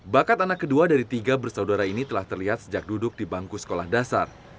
bakat anak kedua dari tiga bersaudara ini telah terlihat sejak duduk di bangku sekolah dasar